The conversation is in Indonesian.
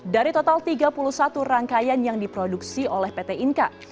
dari total tiga puluh satu rangkaian yang diproduksi oleh pt inka